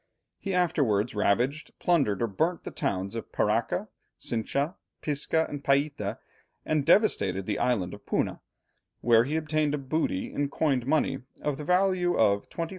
He afterwards ravaged, plundered, or burnt the towns of Paraca, Cincha, Pisca, and Païta, and devastated the island of Puna, where he obtained a booty in coined money of the value of 25,760_l.